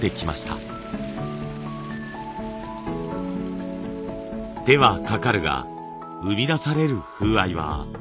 手はかかるが生み出される風合いは他では出せない。